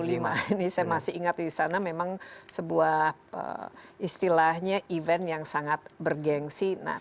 ini saya masih ingat di sana memang sebuah istilahnya event yang sangat bergensi